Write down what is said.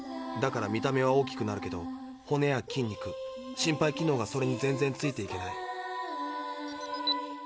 だから見た目は大きくなるけど骨や筋肉心肺機能がそれに全然ついていけない。